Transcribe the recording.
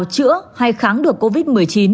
là chữa hay kháng được covid một mươi chín